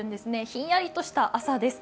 ひんやりとした朝です。